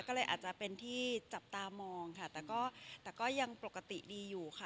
ก็เลยอาจจะเป็นที่จับตามองค่ะแต่ก็แต่ก็ยังปกติดีอยู่ค่ะ